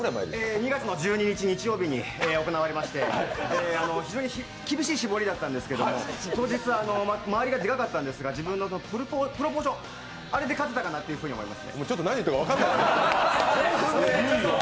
２月１２日日曜日に行われまして非常に厳しい絞りだったんですけど、当日周りがでかかったんですが、自分のプロポーションあれで勝てたかなって思います。